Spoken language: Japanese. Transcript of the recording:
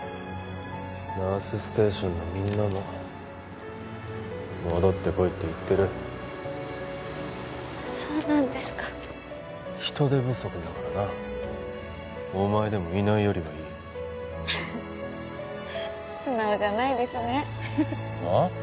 ナースステーションのみんなも戻って来いって言ってるそうなんですか人手不足だからなお前でもいないよりはいいふっ素直じゃないですねふふふあ？